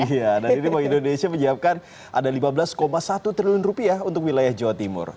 iya dan ini bank indonesia menyiapkan ada lima belas satu triliun rupiah untuk wilayah jawa timur